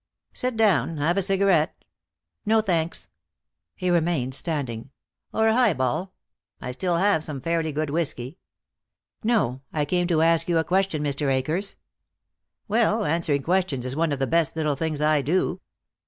"Sit down. Have a cigarette?" "No, thanks." He remained standing. "Or a high ball? I still have some fairly good whiskey." "No. I came to ask you a question, Mr. Akers." "Well, answering questions is one of the best little things I do."